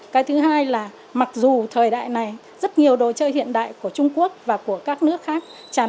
cái thứ hai là mặc dù thời đại này rất nhiều đồ chơi hiện đại của trung quốc và của các nước khác tràn